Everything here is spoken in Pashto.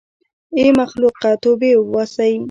ای مخلوقه توبې وباسئ.